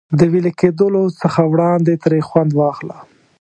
د وېلې کېدلو څخه وړاندې ترې خوند واخله.